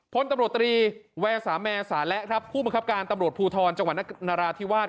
พลตำรวจตรีแวสาแมสาและครับผู้บังคับการตำรวจภูทรจังหวัดนราธิวาส